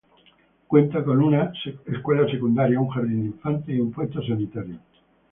Cuenta con una escuela secundaria, un jardín de infantes y un puesto sanitario.